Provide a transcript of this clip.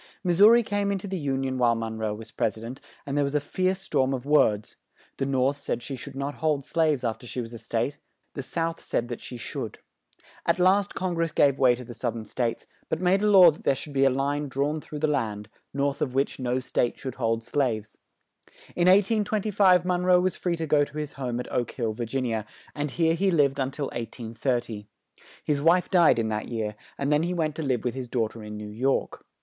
Mis sou ri came in to the Un ion while Mon roe was Pres i dent, and there was a fierce storm of words; the North said she should not hold slaves after she was a State, the South said that she should. At last Con gress gave way to the South ern States; but made a law that there should be a line drawn through the land, north of which no State should hold slaves. In 1825 Mon roe was free to go to his home at Oak Hill, Vir gin i a, and here he lived un til 1830. His wife died in that year, and then he went to live with his daugh ter in New York.